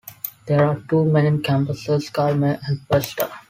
There are two main campuses - Calmar and Peosta.